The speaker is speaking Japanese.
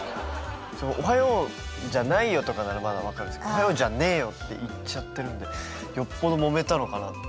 「おはようじゃないよ」とかならまだ分かるんですけど「おはようじゃねーよ」って言っちゃってるんでよっぽどもめたのかなって。